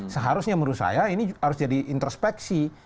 seharusnya menurut saya ini harus jadi introspeksi